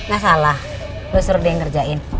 ga salah lu suruh dia yang ngerjain